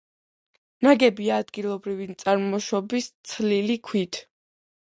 ნაგებია ადგილობრივი წარმოშობის თლილი ქვით.